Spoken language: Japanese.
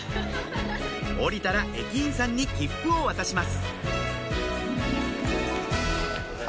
降りたら駅員さんに切符を渡します